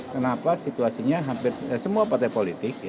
kenapa situasinya hampir semua partai politik